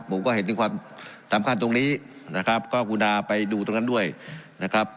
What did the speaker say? ผมก็เห็นถึงความสำคัญตรงนี้นะครับก็คุณาไปดูตรงนั้นด้วยนะครับ